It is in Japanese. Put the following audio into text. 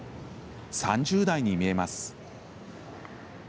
３０代に見えます。